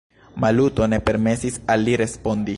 Maluto ne permesis al li respondi.